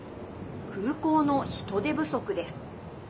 空港の人手不足です。